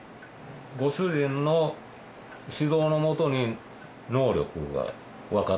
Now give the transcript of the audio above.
ご主人の修行の元に能力が分かって。